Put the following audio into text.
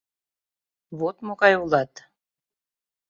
— Вот могай улат.